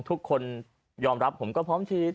ทุกคนยอมรับผมก็พร้อมฉีด